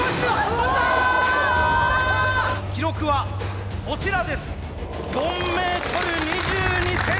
記録はこちらです。